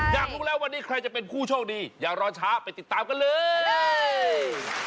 อยากรู้แล้ววันนี้ใครจะเป็นผู้โชคดีอย่ารอช้าไปติดตามกันเลย